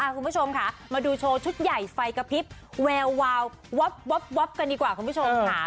คุณผู้ชมค่ะมาดูโชว์ชุดใหญ่ไฟกระพริบแวววาวับกันดีกว่าคุณผู้ชมค่ะ